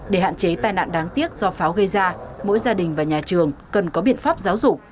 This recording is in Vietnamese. để hạn chế tai nạn đáng tiếc do pháo gây ra mỗi gia đình và nhà trường cần có biện pháp giáo dục